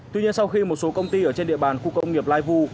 tuy nhiên sau khi một số công ty ở trên địa bàn khu công nghiệp lai vu